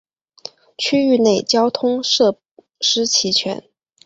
区域内交通设置齐全。